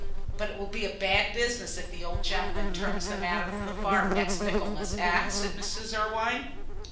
"But it will be a bad business if the old gentleman turns them out of the farm next Michaelmas, eh?" said Mrs. Irwine.